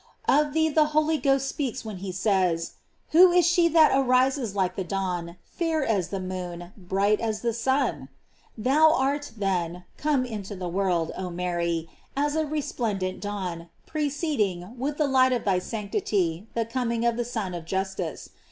Of thee the Holy Ghost speaks when he says: Who is she that arises like the dawn, fair as the moon, bright as the sun? Thou art, then, come into the world, oh Mary, as a resplendent dawn, preceding, with the light of thy sanctity, the coming of the Sun of Justice.